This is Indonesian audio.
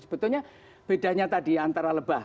sebetulnya bedanya tadi antara lebah